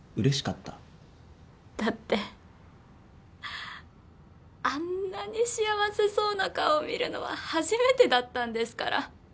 だってあんなに幸せそうな顔見るのは初めてだったんですから。